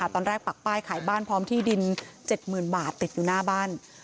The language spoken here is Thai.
ปักป้ายขายบ้านพร้อมที่ดิน๗๐๐๐บาทติดอยู่หน้าบ้าน